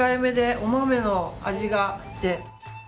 お豆の味があって。